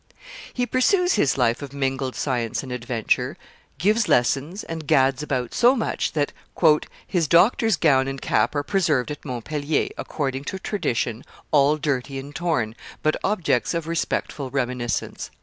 He pursues his life of mingled science and adventure, gives lessons, and gads about so much that "his doctor's gown and cap are preserved at Montpellier, according to tradition, all dirty and torn, but objects of respectful reminiscence."